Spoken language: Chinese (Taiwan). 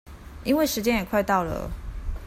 因為時間也快到了